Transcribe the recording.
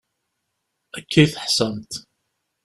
Akka i teḥṣamt.